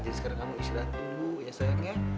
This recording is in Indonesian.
jadi sekarang kamu istirahat dulu ya sayang ya